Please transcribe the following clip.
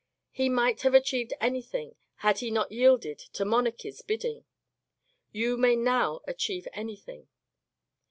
He might have achieved anything, had he not yielded to monarchies' bidding; you may now achieve anything.